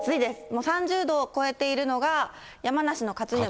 もう３０度を超えているのが、山梨の勝沼。